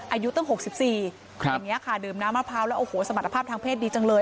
อายุตั้ง๖๔อย่างนี้ค่ะดื่มน้ำมะพร้าวแล้วโอ้โหสมรรถภาพทางเพศดีจังเลย